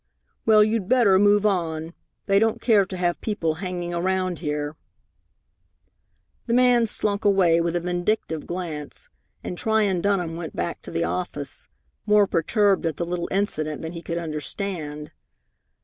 "Well, you'd better move on. They don't care to have people hanging around here." The man slunk away with a vindictive glance, and Tryon Dunham went back to the office, more perturbed at the little incident than he could understand.